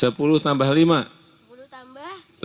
sepuluh tambah lima belas